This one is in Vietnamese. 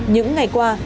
những ngày qua